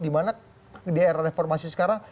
di mana di era reformasi sekarang